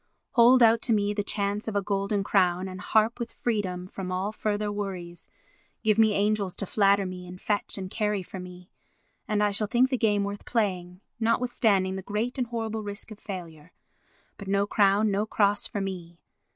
"Hold out to me the chance of a golden crown and harp with freedom from all further worries, give me angels to flatter me and fetch and carry for me, and I shall think the game worth playing, notwithstanding the great and horrible risk of failure; but no crown, no cross for me.